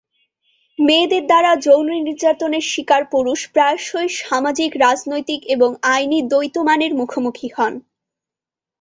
মেয়েদের দ্বারা যৌন নির্যাতনের শিকার পুরুষ প্রায়শই সামাজিক, রাজনৈতিক এবং আইনি দ্বৈত মানের মুখোমুখি হন।